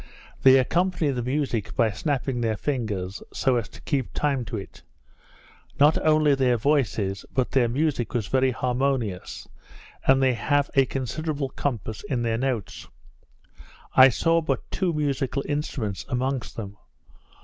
They accompany the music by snapping their fingers, so as to keep time to it. Not only their voices, but their music was very harmonious, and they have a considerable compass in their notes. I saw but two musical instruments amongst them.